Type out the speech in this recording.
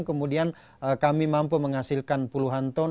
kemudian kami mampu menghasilkan puluhan ton